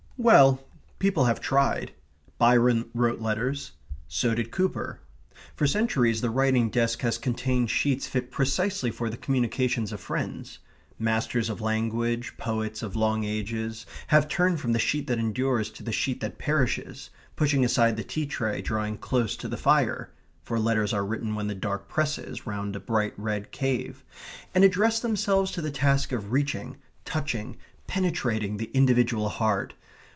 Well, people have tried. Byron wrote letters. So did Cowper. For centuries the writing desk has contained sheets fit precisely for the communications of friends. Masters of language, poets of long ages, have turned from the sheet that endures to the sheet that perishes, pushing aside the tea tray, drawing close to the fire (for letters are written when the dark presses round a bright red cave), and addressed themselves to the task of reaching, touching, penetrating the individual heart.